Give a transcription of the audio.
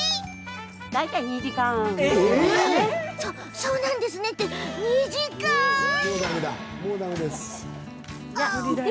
そうなんですねって２時間ですって！